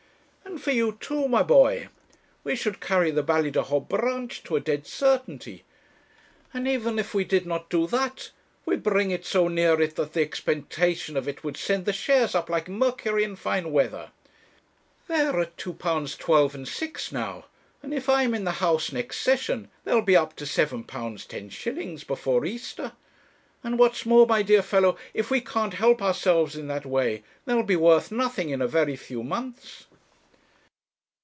'And for you too, my boy. We should carry the Ballydehob branch to a dead certainty; and even if we did not do that, we'd bring it so near it that the expectation of it would send the shares up like mercury in fine weather. They are at £2 12s. 6d. now, and, if I am in the House next Session, they'll be up to £7 10s. before Easter; and what's more, my dear fellow, if we can't help ourselves in that way, they'll be worth nothing in a very few months.'